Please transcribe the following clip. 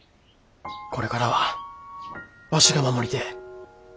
これからはわしが守りてえ。